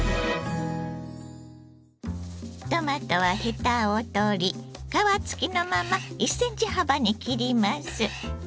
トマトはヘタを取り皮つきのまま１センチ幅に切ります。